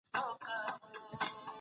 که غوړي ډېر ځله تود شي نو زهرجن کیږي.